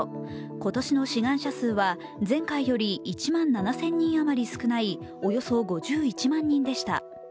今年の志願者数は前回より１万７０００人あまり少ないおよそ５１万人でした。